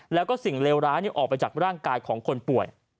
แล้วก็สิ่งเลวร้ายออกไปจากร่างกายของคนป่วย